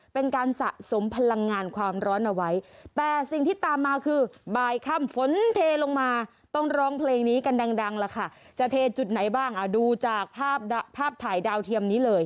เป็นการสะสมพลังงานความร้อนเอาไว้